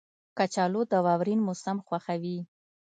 کچالو د واورین موسم خوښوي